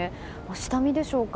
下見でしょうか。